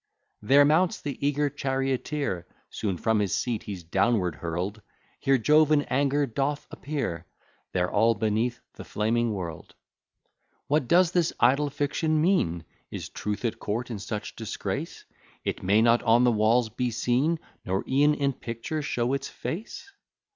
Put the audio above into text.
There mounts the eager charioteer; Soon from his seat he's downward hurl'd; Here Jove in anger doth appear, There all, beneath, the flaming world. What does this idle fiction mean? Is truth at court in such disgrace, It may not on the walls be seen, Nor e'en in picture show its face?